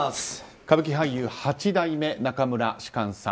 歌舞伎俳優八代目中村芝翫さん